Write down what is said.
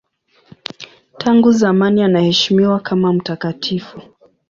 Tangu zamani anaheshimiwa kama mtakatifu.